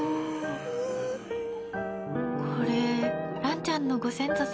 これ、蘭ちゃんのご先祖様？